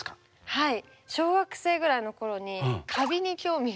はい。